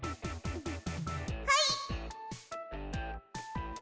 はい！